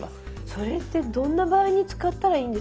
それってどんな場合に使ったらいいんですか？